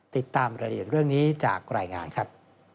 ติดตามรายละเอียดเรื่องนี้จากรายงานครับ